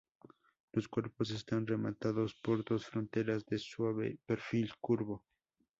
Los cuerpos están rematados por dos frontones de suave perfil curvo.